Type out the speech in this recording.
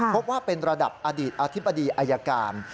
พบว่าเป็นระดับอดีตอธิบดีอายการ